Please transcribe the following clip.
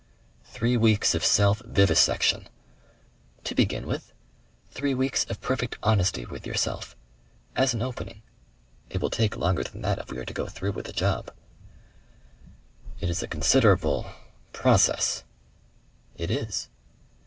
"Three weeks of self vivisection." "To begin with. Three weeks of perfect honesty with yourself. As an opening.... It will take longer than that if we are to go through with the job." "It is a considerable process." "It is."